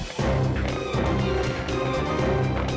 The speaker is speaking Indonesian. semakin dia galak